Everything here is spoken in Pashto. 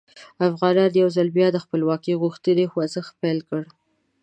افغانانو یو ځل بیا د خپلواکۍ غوښتنې خوځښت پیل کړ.